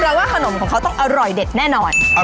ว่าขนมของเขาต้องอร่อยเด็ดแน่นอน